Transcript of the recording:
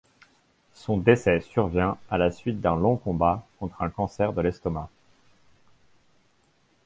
Son décès survient à la suite d'un long combat contre un cancer de l'estomac.